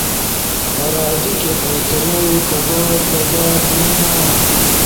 پراجیکٹے فیصلہ ئی کدا کدا بینا؟